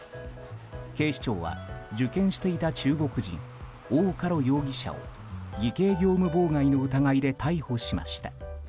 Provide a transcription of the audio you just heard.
警視庁は受験していた中国人オウ・カロ容疑者を偽計業務妨害の疑いで逮捕しました。